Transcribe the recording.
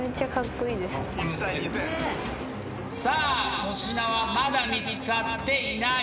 さあ粗品はまだ見つかっていない。